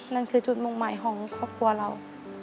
นั่นคือจุดมุ่งใหม่ของครอบครัวเรา